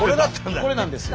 これなんですよ。